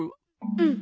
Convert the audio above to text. うん。